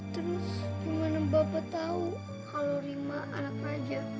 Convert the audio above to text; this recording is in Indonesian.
terus gimana bapak tau kalau rima anak raja